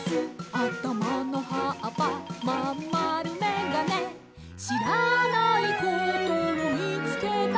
「あたまの葉っぱまんまるめがね」「知らないことをみつけたら」